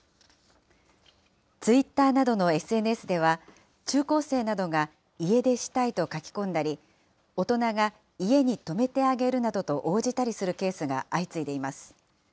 ツイッターなどのＳＮＳでは、中高生などが家出したいと書き込んだり、大人が家に泊めてあげるなどと応じたりするケースが相次いでいます。